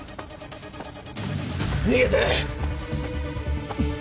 逃げて！